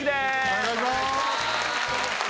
お願いします